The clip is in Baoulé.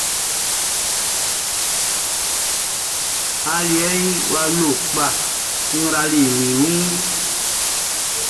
Aliɛʼn wʼa lo kpa, n rali min wun.